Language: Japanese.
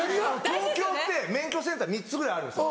東京って免許センター３つぐらいあるんですよ。